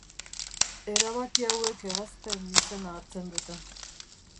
Erabaki hauek ebazpen izena hartzen dute.